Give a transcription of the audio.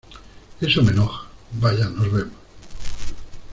eso me enoja... ¡ vaya, nos vemos! ...